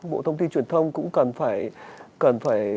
bộ thông tin truyền thông cũng cần phải